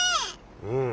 うん。